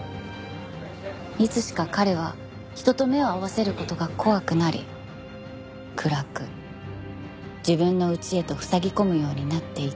いつしか彼は人と目を合わせる事が怖くなり暗く自分の内へと塞ぎ込むようになっていった。